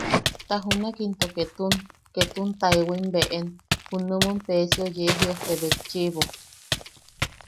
Ta junak into ketun... ketun taewaim beʼen junumun Peesio yee jiʼojte betchiʼibo.